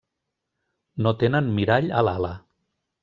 No tenen mirall a l'ala.